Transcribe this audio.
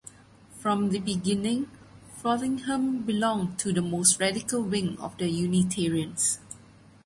From the beginning, Frothingham belonged to the most radical wing of the Unitarians.